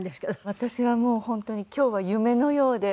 私はもう本当に今日は夢のようで。